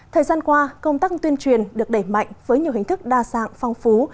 thời gian qua công tác tuyên truyền được đẩy mạnh với nhiều hình thức đa dạng phong phú